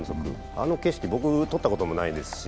あの景色、僕、取ったこともないですし。